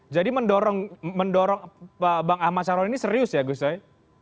jadi mendorong bang ahmad syahroni ini serius ya gus soi